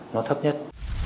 nó thấp nhất